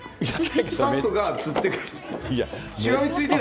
スタッフがつってくれてる。